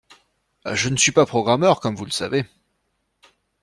Je ne suis pas programmeur, comme vous le savez.